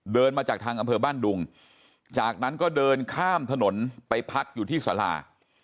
เดินมาจากทางอำเภอบ้านดุงจากนั้นก็เดินข้ามถนนไปพักอยู่ที่สารา